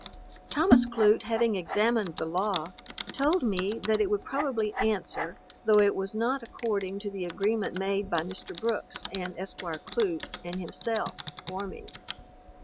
Thomas Clute having examined the law, told me that it would probably answer, though it was not according to the agreement made by Mr. Brooks, and Esq. Clute and himself, for me.